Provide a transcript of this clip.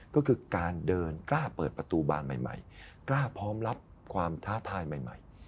ก็คือการเดินกล้าเปิดประตูบานใหม่กล้าพร้อมรับความท้าทายใหม่